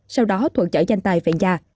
sau đó thuận chở danh tài về nhà